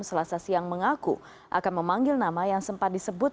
selasa siang mengaku akan memanggil nama yang sempat disebut